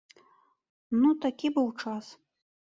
Ну такі быў час.